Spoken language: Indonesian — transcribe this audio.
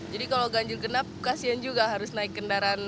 jadi kalau ganjil genap kasihan juga harus naik kendaraan umum